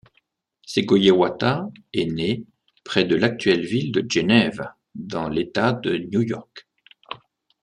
Segoyewatha est né près de l'actuelle ville de Geneva dans l'État de New York.